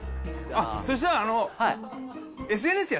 あっそしたらあの。